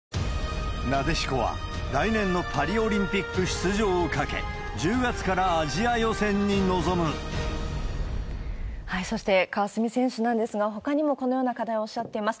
なでしこは来年のパリオリンピック出場を懸け、１０月からアそして、川澄選手なんですが、ほかにもこのような課題をおっしゃっています。